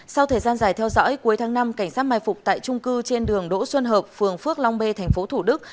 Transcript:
sau thời gian dài theo dõi cuối tháng năm cảnh sát mai phục tại trung cư trên đường đỗ xuân hợp phường phước long b tp thủ đức